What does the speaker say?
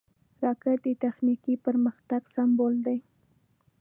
راکټ د تخنیکي پرمختګ سمبول دی